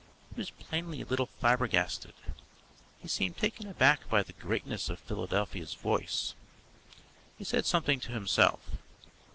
He was plainly a little flabbergasted. He seemed taken aback by the greatness of Philadelphia's voice. He said something to himself.